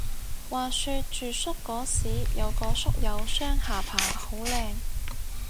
話說住宿嗰時有個宿友雙下巴好靚